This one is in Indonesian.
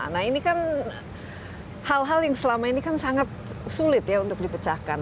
nah ini kan hal hal yang selama ini kan sangat sulit ya untuk dipecahkan